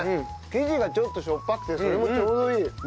生地がちょっとしょっぱくてそれもちょうどいい。